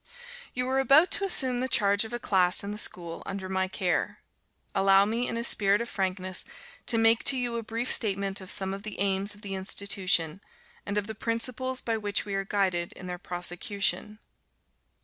_ You are about to assume the charge of a class in the school under my care. Allow me, in a spirit of frankness, to make to you a brief statement of some of the aims of the institution, and of the principles by which we are guided in their prosecution.